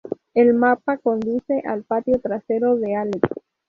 El mapa conduce al patio trasero de Alex.